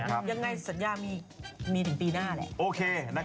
โอเคนักศึกษาโอเคโอเค